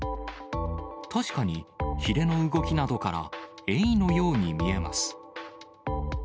確かに、ひれの動きなどからエイのように見えます。